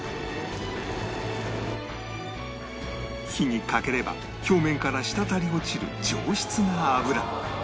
火にかければ表面から滴り落ちる上質な脂